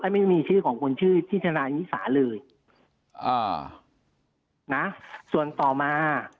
ไม่มีชื่อของคนชื่อที่ทนายนิสาเลยอ่านะส่วนต่อมา